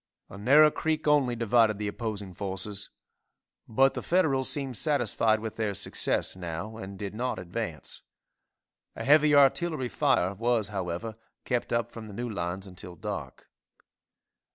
A narrow creek only divided the opposing forces, but the Federals seemed satisfied with their success now and did not advance. A heavy artillery fire was, however, kept up from the new lines until dark.